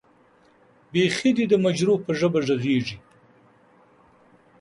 بېخي دې د مجروح به ژبه غږېږې.